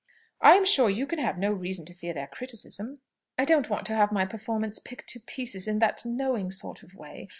"I am sure you can have no reason to fear their criticism." "I don't want to have my performance picked to pieces in that knowing sort of way.